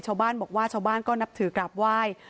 ชาวบ้านบอกว่าชาวบ้านก็นับถือกราบไหว้